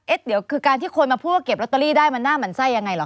เดี๋ยวคือการที่คนมาพูดว่าเก็บลอตเตอรี่ได้มันหน้าหมั่นไส้ยังไงเหรอ